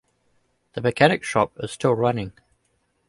The mechanic shop is still running.